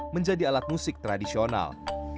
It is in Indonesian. menjadi alat musik tradisional